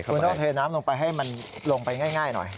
คุณต้องเทน้ำลงไปให้มันลงไปง่ายหน่อย